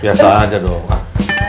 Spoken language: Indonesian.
biasa aja dong ah